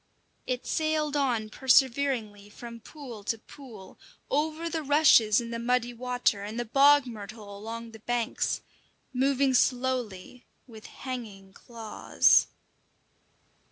It sailed on perseveringly from pool to pool, over the rushes in the muddy water and the bog myrtle along the banks, moving slowly, with hanging claws.